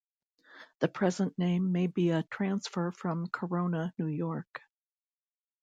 The present name may be a transfer from Corona, New York.